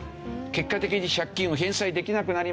結果的に「借金を返済できなくなりました」。